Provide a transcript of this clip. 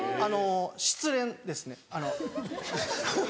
失恋ですねあの。